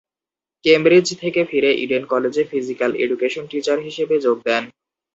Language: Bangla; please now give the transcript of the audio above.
কেমব্রিজ থেকে ফিরে ইডেন কলেজে ফিজিক্যাল এডুকেশন টিচার হিসেবে যোগ দেন।